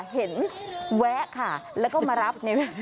เห็นแวะค่ะแล้วก็มารับ